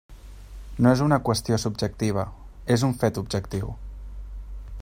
No és una qüestió subjectiva, és un fet objectiu.